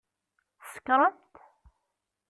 Tsekṛemt?